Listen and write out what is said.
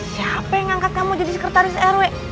siapa yang ngangkat kamu jadi sekretaris rw